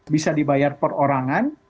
bisa dibayar per orangan